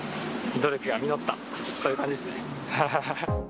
努力が実った、そういう感じですね。